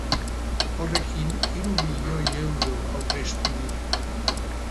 Horrekin hirumilioi euro aurreztu dira.